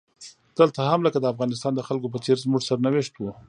دلته هم لکه د افغانستان د خلکو په څیر زموږ سرنوشت و.